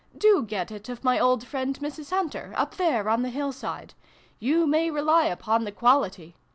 Do get it of my old friend Mrs. Hunter, up there, on the hill side. You may rely upon the quality.